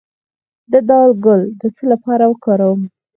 د دال ګل د څه لپاره وکاروم؟